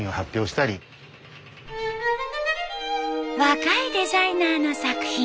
若いデザイナーの作品。